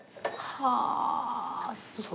はあ！